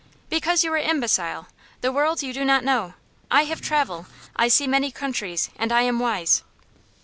"Because you are imbecile. The world you do not know. I have travel; I see many countries; and I am wise."